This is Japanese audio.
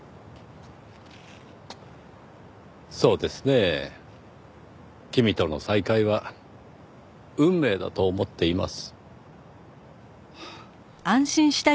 そうですねぇ君との再会は運命だと思っています。